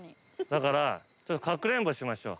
だからかくれんぼしましょ。